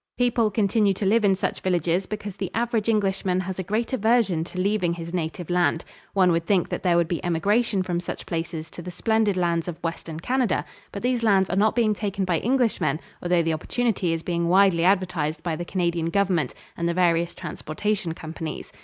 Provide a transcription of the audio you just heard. People continue to live in such villages because the average Englishman has a great aversion to leaving his native land. One would think that there would be emigration from such places to the splendid lands of Western Canada, but these lands are not being taken by Englishmen, although the opportunity is being widely advertised by the Canadian Government and the various transportation companies.